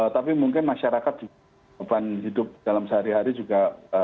tapi mungkin masyarakat juga beban hidup dalam sehari hari juga